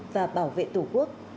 và bảo vệ tổ quốc